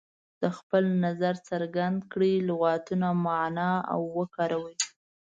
د خپل نظر څرګند کړئ لغتونه معنا او وکاروي.